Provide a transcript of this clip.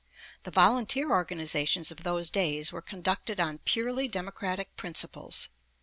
The volunteer organizations of those days were conducted on purely democratic principles.